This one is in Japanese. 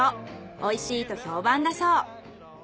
おいしいと評判だそう。